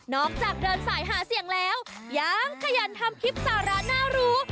จากเดินสายหาเสียงแล้วยังขยันทำคลิปสาระน่ารู้